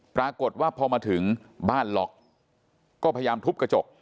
ปรากฏว่าพอมาถึงบ้านล็อกก็พยายามทุบกระจก